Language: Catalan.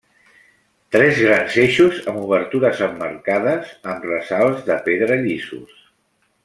Tres grans eixos amb obertures emmarcades amb ressalts de pedra llisos.